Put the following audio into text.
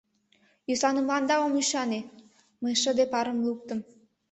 — Йӧсланымыланда ом ӱшане, — мый шыде парым луктым.